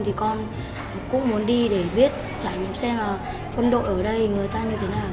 thì con cũng muốn đi để biết trải nghiệm xem là quân đội ở đây người ta như thế nào